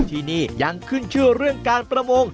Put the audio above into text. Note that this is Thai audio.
ที่นี่ยังขึ้นชื่อเรื่องการประมง